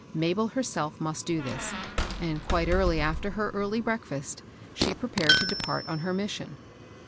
Mabel herself must do this ; and quite early after her early breakfast, she pre pared to depart on her mission.